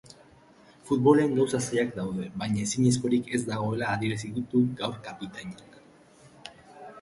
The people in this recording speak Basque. Futbolean gauza zailak daude, baina ezinezkorik ez dagoela adierazi du gaur kapitainak.